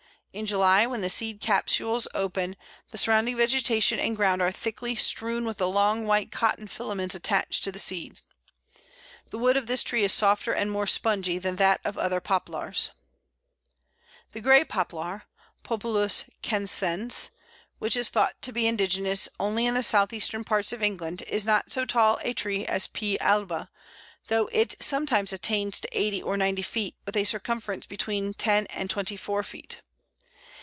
In July, when the seed capsules open, the surrounding vegetation and ground are thickly strewn with the long white cotton filaments attached to the seeds. The wood of this tree is softer and more spongy than that of other Poplars. [Illustration: Pl. 50. White Poplar summer.] [Illustration: Pl. 51. Bole of White Poplar.] The Grey Poplar (Populus canescens), which is thought to be indigenous only in the south eastern parts of England, is not so tall a tree as P. alba, though it sometimes attains to eighty or ninety feet, with a circumference between ten and twenty four feet.